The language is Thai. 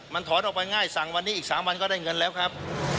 มันถอนออกไปง่ายสั่งวันนี้อีก๓วันก็ได้เงินแล้วครับ